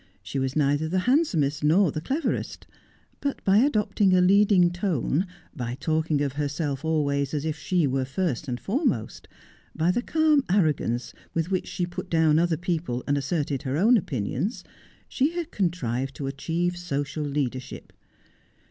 She was neither the handsomest nor the cleverest ; but, by adopting a leading tone, by talking of herself always as if she were first and foremost, by the calm arrogance with which she put down other people and asserted her own opinions, she had contrived to achieve social leadership.